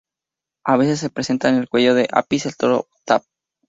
A veces se representa en el cuello de Apis, el toro de Ptah.